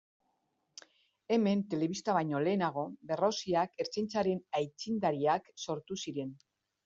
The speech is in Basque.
Hemen telebista baino lehenago Berroziak Ertzaintzaren aitzindariak sortu ziren.